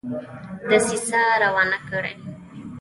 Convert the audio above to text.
دسیسه روانه کړي ده.